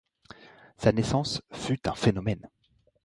Sa naissance fut un phénomène.